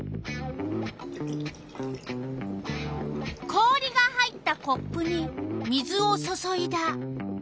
氷が入ったコップに水を注いだ。